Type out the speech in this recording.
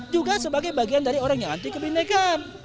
juga sebagai bagian dari orang yang anti kebinekaan